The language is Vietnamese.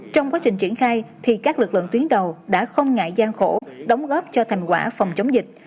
trong quá trình triển khai thì các lực lượng tuyến đầu đã không ngại gian khổ đóng góp cho thành quả phòng chống dịch